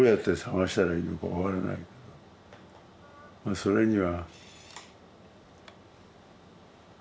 それには。